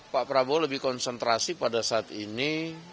pak prabowo lebih konsentrasi pada saat ini